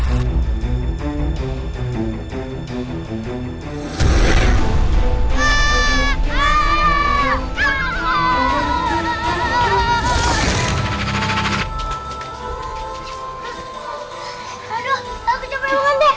aduh aku capek banget deh